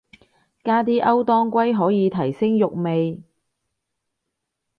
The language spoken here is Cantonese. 加啲歐當歸可以提升肉味